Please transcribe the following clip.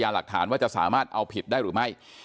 หลักฐานว่าจะสามารถเอาผิดได้หรือไม่